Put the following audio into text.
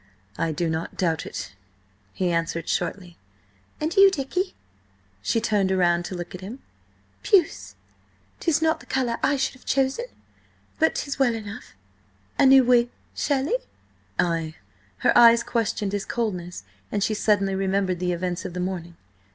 "I do not doubt it," he answered shortly. "And you, Dicky?" She turned round to look at him. "Puce ... 'tis not the colour I should have chosen, but 'tis well enough. A new wig, surely?" "Ay." Her eyes questioned his coldness, and she suddenly remembered the events of the morning.